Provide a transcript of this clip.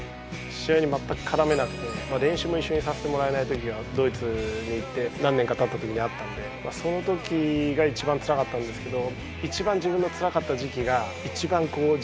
試合にまったく絡めなくて練習も一緒にさせてもらえないときがドイツに行って何年かたったときにあったんでそのときが一番つらかったんですけど。